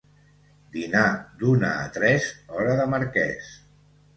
Dinar d'una a tres, hora de marquès.